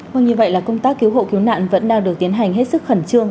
vâng như vậy là công tác cứu hộ cứu nạn vẫn đang được tiến hành hết sức khẩn trương